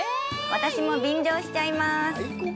私も便乗しちゃいます。